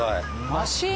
マシン？